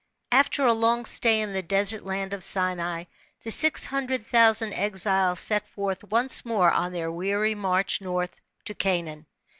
After a long stay in the desert land of Sinai, the six hundred thousand exiles set forth once more OK their weary march north, to Canaan.